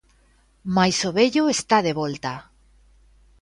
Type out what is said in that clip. Mais o vello está de volta.